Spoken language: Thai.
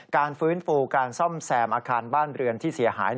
การฟื้นฟูการซ่อมแซมอาคารบ้านเรือนที่เสียหาย